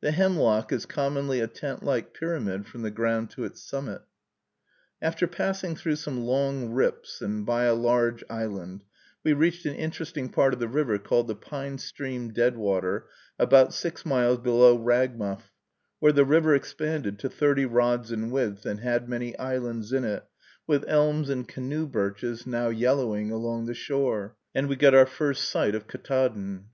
The hemlock is commonly a tent like pyramid from the ground to its summit. After passing through some long rips, and by a large island, we reached an interesting part of the river called the Pine Stream Deadwater, about six miles below Ragmuff, where the river expanded to thirty rods in width and had many islands in it, with elms and canoe birches, now yellowing, along the shore, and we got our first sight of Ktaadn.